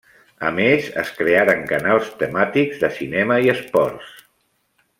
A més es crearen canals temàtics de cinema i esports.